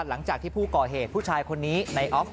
หลังจากที่ผู้ก่อเหตุผู้ชายคนนี้ในออฟ